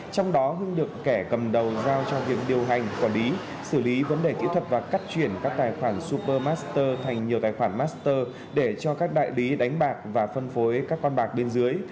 trong đó hưng được kẻ cầm đầu giao cho việc điều hành quản lý xử lý vấn đề kỹ thuật và cắt chuyển các tài khoản super master thành nhiều tài khoản master để cho các đại lý đánh bạc và phân phối các con bạc bên dưới